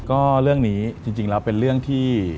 ก็เรื่องนี้จริงแล้วเป็นเรื่องที่